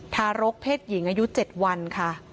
ทารกเพศหญิงอายุ๗วันค่ะ